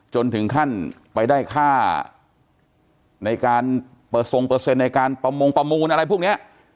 จนถึงขั้นไปได้ค่าในการเปอร์ทรงเปอร์เซ็นต์ในการประมงประมูลอะไรพวกนี้